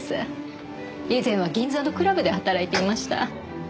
以前は銀座のクラブで働いていました。